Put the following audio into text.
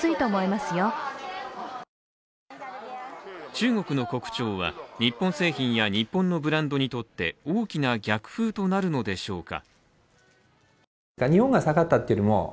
中国の国潮は日本製品や日本のブランドにとって大きな逆風となるのでしょうか？